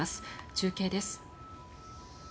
中継です。